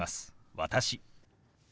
「私」。